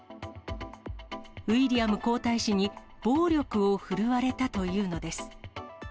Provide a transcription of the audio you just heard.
ウィリアム皇太子に暴力を振るわれたというのです。